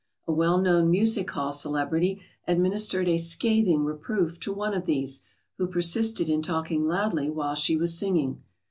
A well known music hall celebrity administered a scathing reproof to one of these, who persisted in talking loudly while she was singing.